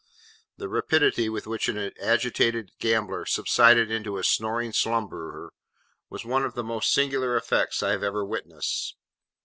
The rapidity with which an agitated gambler subsided into a snoring slumberer, was one of the most singular effects I have ever witnessed.